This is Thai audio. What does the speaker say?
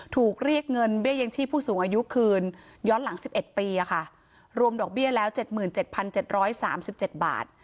ถูกเรียกเงินเบี้ยยังชีพผู้สูงอายุคืนย้อนหลัง๑๑ปีรวมดอกเบี้ยแล้ว๗๗๓๗บาท